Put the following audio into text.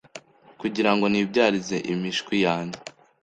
kugirango nibyarize imishwi yanjye